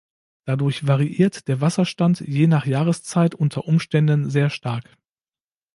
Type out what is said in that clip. Dadurch variiert der Wasserstand, je nach Jahreszeit, unter Umständen sehr stark.